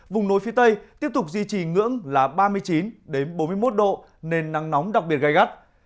vùng núi phía tây tiếp tục duy trì ngưỡng là ba mươi chín bốn mươi một độ nên nắng nóng đặc biệt gai gắt